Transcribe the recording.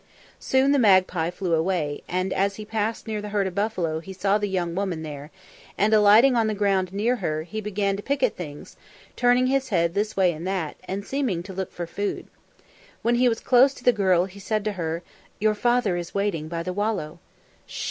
'" Soon the magpie flew away, and as he passed near the herd of buffalo he saw the young woman there, and alighting on the ground near her, he began to pick at things, turning his head this way and that, and seeming to look for food. When he was close to the girl he said to her, "Your father is waiting by the wallow."